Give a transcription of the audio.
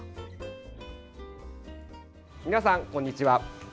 皆さん、こんにちは。